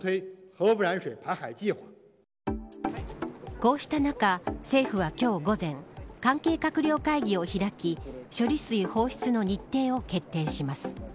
こうした中、政府は今日午前関係閣僚会議を開き処理水放出の日程を決定します。